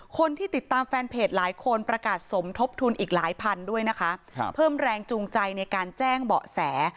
คนที่ติดตามแฟนเพจหลายคนประกาศสมทบทุนอีกหลายพันด้วยนะคะครับเพิ่มแรงจูงใจในการแจ้งเบาะแส